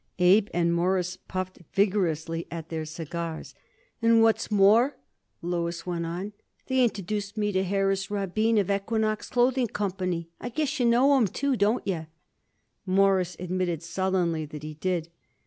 Abe and Morris puffed vigorously at their cigars. "And what's more," Louis went on, "they introduced me to Harris Rabin, of the Equinox Clothing Company. I guess you know him, too, don't you?" Morris admitted sullenly that he did.